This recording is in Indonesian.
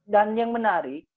dan yang menarik